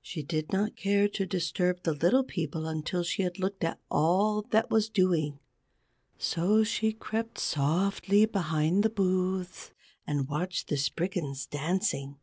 She did not care to disturb the Little People until she had looked at all that was doing. So she crept softly behind the booths and watched the Spriggans dancing.